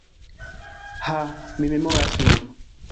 Ha, mi memoras nun.